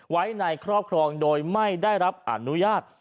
ไว้ในครอบครองโดยไม่ได้รับอนุญาต